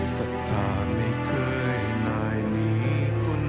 สถาไม่เคยนายมีคนอื่น